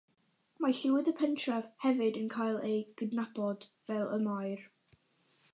Mae llywydd y pentref hefyd yn cael ei gydnabod fel y maer.